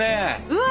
うわ！